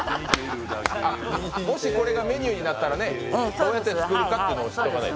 もしこれがメニューになったらどうやって作るか知っておかないと。